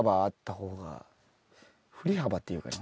振り幅っていうか。